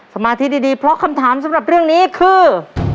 สมาธิดีเพราะคำถามสำหรับเรื่องนี้คือ